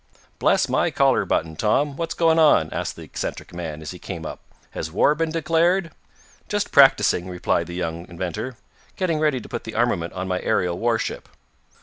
"Bless my collar button, Tom! What's going on?" asked the eccentric man, as he came up. "Has war been declared?" "Just practicing," replied the young inventor. "Getting ready to put the armament on my aerial warship."